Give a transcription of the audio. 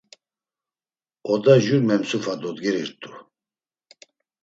Oda jur memsufa dodgerirt̆u.